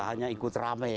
hanya ikut rame